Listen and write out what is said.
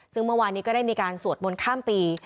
ซึ่งเมื่อวานนี้ก็ได้มีการสวดมนต์ข้ามปี